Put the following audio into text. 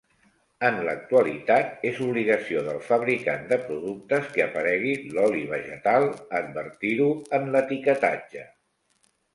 En l'actualitat és obligació del fabricant de productes que aparegui l'oli vegetal advertir-ho en l'etiquetatge.